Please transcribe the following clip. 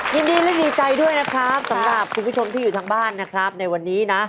ยินดีและดีใจด้วยนะครับสำหรับคุณผู้ชมที่อยู่ทางบ้านนะครับในวันนี้นะ